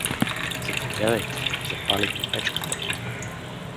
— Заповядайте, запалих ви печката.